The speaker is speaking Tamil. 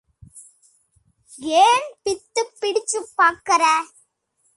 ஏன் பித்துப் பிடிச்சு பார்க்கறே?